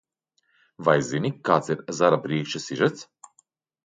"Vai zini, kāds ir "Zara brīkšķa" sižets?"